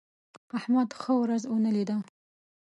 احمد ښه ورځ ونه لیده.